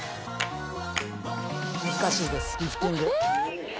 難しいですリフティング。